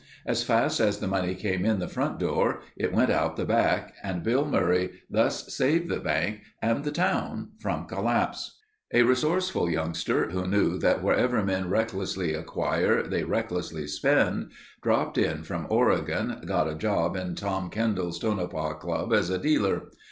As fast as the money came in the front door, it went out the back and Billy Murray thus saved the bank and the town from collapse. A resourceful youngster who knew that wherever men recklessly acquire, they recklessly spend, dropped in from Oregon, got a job in Tom Kendall's Tonopah Club as a dealer.